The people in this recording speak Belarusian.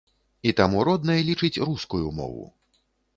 І таму роднай лічыць рускую мову.